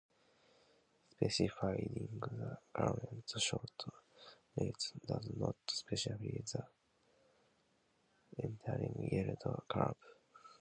Specifying the current short rate does not specify the entire yield curve.